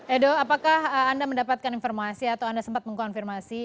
edo apakah anda mendapatkan informasi atau anda sempat mengkonfirmasi